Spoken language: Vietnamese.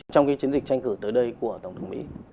trong cái chiến dịch tranh cử tới đây của tổng thống mỹ